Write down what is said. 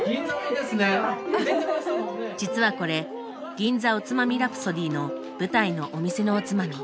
実はこれ「銀座おつまみラプソディ」の舞台のお店のおつまみ。